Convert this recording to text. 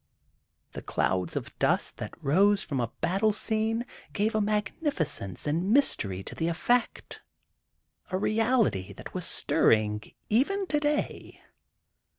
The clouds of dust that rose from a battle scene gave a magnificence and mystery to the effect—a reality that was stirring, even today.